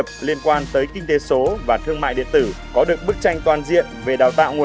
và kinh doanh số ở nền tảng